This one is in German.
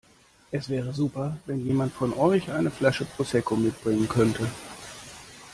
Es wäre super wenn jemand von euch eine Flasche Prosecco mitbringen könnte.